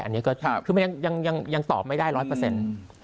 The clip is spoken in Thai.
อันนี้ก็คือมันยังตอบไม่ได้ร้อยเปอร์เซ็นต์